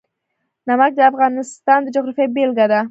نمک د افغانستان د جغرافیې بېلګه ده.